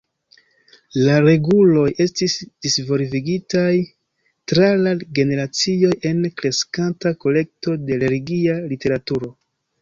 La reguloj estis disvolvigitaj tra la generacioj en kreskanta kolekto de religia literaturo.